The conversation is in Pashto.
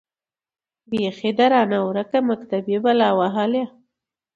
بيـخي ده رانـه وركه مــكتبۍ بــلا وهــلې.